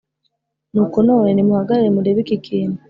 Nuko none nimuhagarare murebe iki kintu